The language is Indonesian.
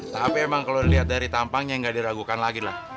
tapi emang kalau dilihat dari tampangnya nggak diragukan lagi lah